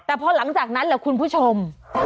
แต่พอหลังจากนั้นแหละคุณผู้ชม